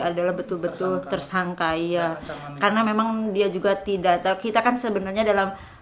adalah betul betul tersangka iya karena memang dia juga tidak tahu kita kan sebenarnya dalam